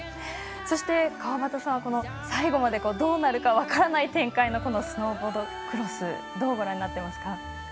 そして、川端さん最後までどうなるか分からない展開のこのスノーボードクロスどうご覧になっていますか。